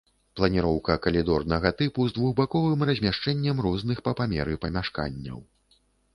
Планіроўка калідорнага тыпу з двухбаковым размяшчэннем розных па памеры памяшканняў.